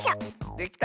できた！